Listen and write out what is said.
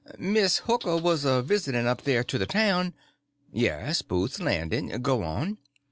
Miss Hooker was a visiting up there to the town—" "Yes, Booth's Landing—go on."